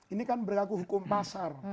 ini kan berlaku hukum pasar